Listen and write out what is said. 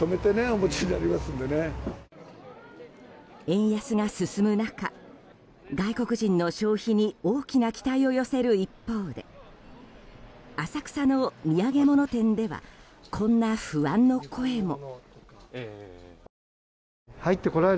円安が進む中、外国人の消費に大きな期待を寄せる一方で浅草の土産物店ではこんな不安の声も。